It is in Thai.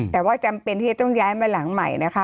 แต่ว่าจำเป็นที่จะต้องย้ายมาหลังใหม่นะคะ